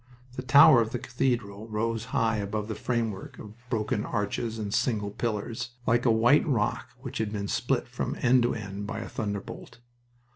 The tower of the cathedral rose high above the framework of broken arches and single pillars, like a white rock which had been split from end to end by a thunderbolt.